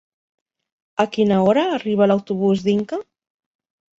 A quina hora arriba l'autobús d'Inca?